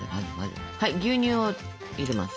はい牛乳を入れます。